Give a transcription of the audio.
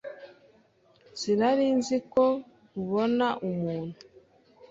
Sinari nzi ko ubona umuntu